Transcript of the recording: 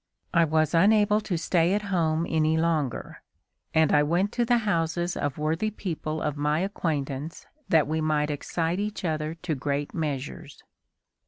I was unable to stay at home any longer, and I went to the houses of worthy people of my acquaintance that we might excite each other to great measures."